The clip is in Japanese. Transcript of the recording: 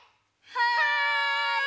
はい！